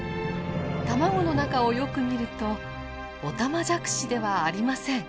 卵の中をよく見るとオタマジャクシではありません。